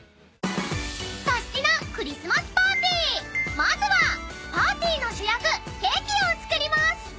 ［まずはパーティーの主役ケーキを作ります］